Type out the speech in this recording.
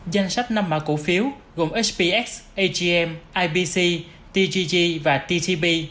danh sách năm mã cổ phiếu gồm hpx agm ipc tgg và ttp